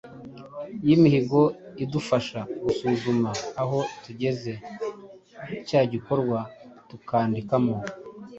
yimihigo idufasha gusuzuma aho tugeze cya gikorwa tukandikamo.